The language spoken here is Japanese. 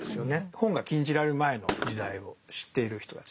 本が禁じられる前の時代を知っている人たち。